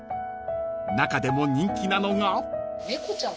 ［中でも人気なのが］